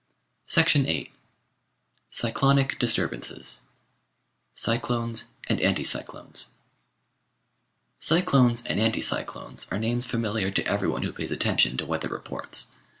780 The Outline of Science 8 CYCLONIC DISTURBANCES Cyclones and Anticyclones Cyclones and anticyclones are names familiar to everyone who pays attention to weather reports.